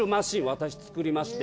私作りまして。